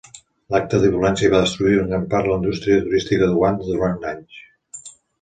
L'acte de violència va destruir en gran part la indústria turística d'Uganda durant anys.